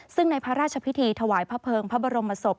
ซึ่งในพระราชพิธีถวายพระเภิงพระบรมศพ